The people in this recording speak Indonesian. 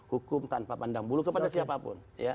hukum tanpa pandang bulu kepada siapapun